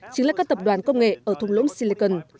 chính là các tập đoàn công nghệ ở thùng lũng silicon